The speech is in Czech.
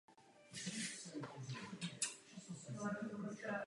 Ovšem hlavní útok byl veden Luftwaffe daleko za obranou linii.